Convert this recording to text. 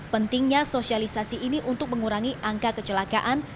pentingnya sosialisasi ini untuk mengurangi angka kecelakaan